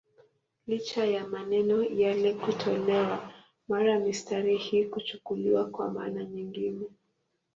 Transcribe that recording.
Licha ya maneno yale kutolewa, mara mistari hii huchukuliwa kwa maana nyingine.